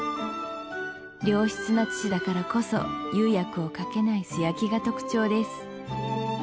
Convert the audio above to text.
良質な土だからこそ釉薬をかけない素焼きが特徴です